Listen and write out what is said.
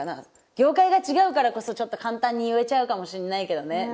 業界が違うからこそちょっと簡単に言えちゃうかもしんないけどね。